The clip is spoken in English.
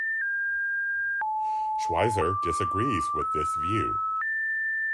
Schweizer disagrees with this view.